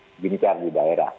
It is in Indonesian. itu bencar di daerah